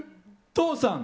父さん。